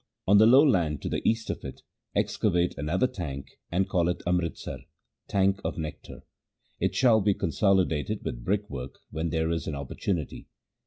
On the low land to the east of it excavate another tank and call it Amritsar — tank of nectar. It shall be consolidated with brickwork when there is an opportunity.